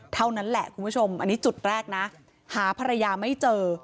เท่านั้นแหละคุณผู้ชมอันนี้จุดแรกนะหาภรรยาไม่เจอ